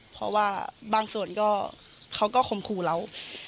เพราะว่าบางส่วนก็เขาก็คมครูเรา